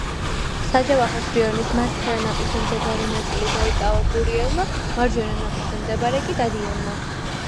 საჯავახოს რიონის მარცხენა ნაპირზე მდებარე ნაწილი დაიკავა გურიელმა, მარჯვენა ნაპირზე მდებარე კი დადიანმა.